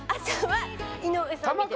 朝は井上さん？